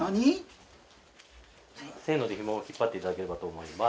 せので紐を引っ張っていただければと思います。